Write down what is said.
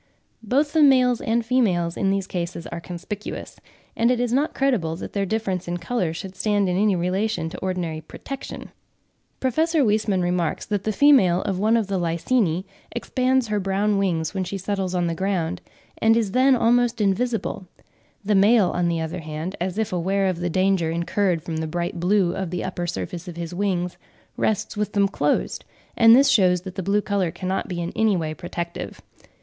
Both the males and females in these cases are conspicuous, and it is not credible that their difference in colour should stand in any relation to ordinary protection. Prof. Weismann remarks (9. 'Einfluss der Isolirung auf die Artbildung,' 1872, p. 58.), that the female of one of the Lycaenae expands her brown wings when she settles on the ground, and is then almost invisible; the male, on the other hand, as if aware of the danger incurred from the bright blue of the upper surface of his wings, rests with them closed; and this shows that the blue colour cannot be in any way protective.